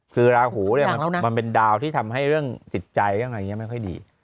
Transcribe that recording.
คือราหูเนี่ยมันเป็นดาวที่ทำให้เรื่องจิตใจเรื่องอะไรอย่างนี้ไม่ค่อยดี